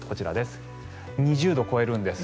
２０度を超えるんです。